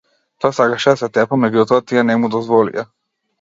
Тој сакаше да се тепа меѓутоа тие не му дозволија.